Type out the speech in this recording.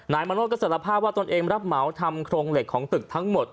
นายมโนธก็สารภาพว่าตนเองรับเหมาทำโครงเหล็กของตึกทั้งหมด